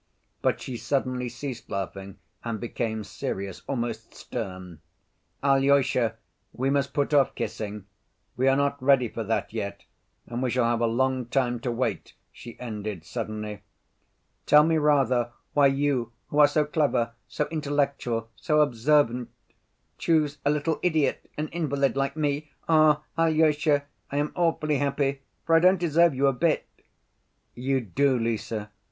But she suddenly ceased laughing and became serious, almost stern. "Alyosha, we must put off kissing. We are not ready for that yet, and we shall have a long time to wait," she ended suddenly. "Tell me rather why you who are so clever, so intellectual, so observant, choose a little idiot, an invalid like me? Ah, Alyosha, I am awfully happy, for I don't deserve you a bit." "You do, Lise.